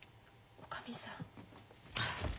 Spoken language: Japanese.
おかみさん？